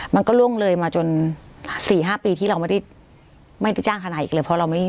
มันก็ล่วงเลยมาจน๔๕ปีที่เราไม่ได้จ้างทนายอีกเลยเพราะเราไม่